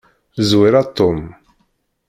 Zwir a Tom.